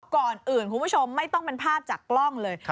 ก่อนอื่นคุณผู้ชมไม่ต้องเป็นภาพจากกล้องเลย